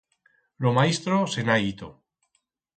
Ro maistro se'n ha ito.